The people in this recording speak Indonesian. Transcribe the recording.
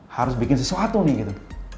harus bikin sesuatu nih gitu